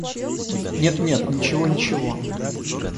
Нет, нет, ничего, ничего.